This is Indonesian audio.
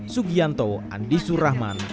sugianto andi surahman